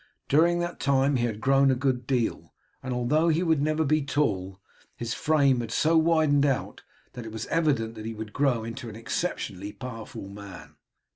During that time he had grown a good deal, and although he would never be tall, his frame had so widened out that it was evident he would grow into an exceptionally powerful man.